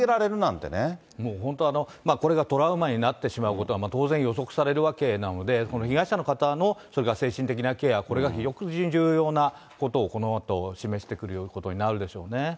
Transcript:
もう本当、これがトラウマになってしまうことは当然予測されるわけなので、被害者の方の精神的なケア、これが非常に重要なことを、このあと示してくることになるでしょうね。